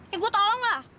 ya gua tolong lah